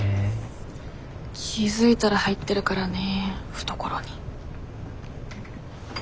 気付いたら入ってるからね懐に。